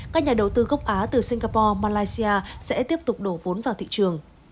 các nhà đầu tư gốc á từ singapore malaysia sẽ tiếp tục đổ vốn vào thị trường